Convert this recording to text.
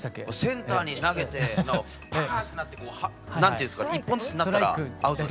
センターに投げてパーンってなって１本ずつになったらアウトですからね。